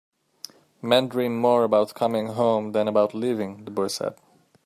"Men dream more about coming home than about leaving," the boy said.